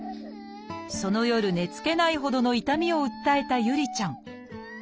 その夜寝つけないほどの痛みを訴えた侑里ちゃん。